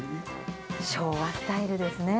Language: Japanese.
昭和スタイルですね。